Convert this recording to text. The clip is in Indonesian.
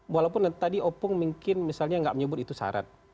walaupun tadi opung mungkin misalnya nggak menyebut itu syarat